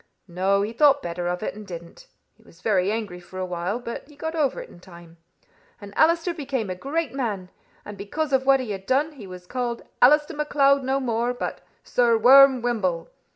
"No. He thought better of it, and didn't. He was very angry for a while, but he got over it in time. And Allister became a great man, and because of what he had done, he was called Allister MacLeod no more, but Sir Worm Wymble.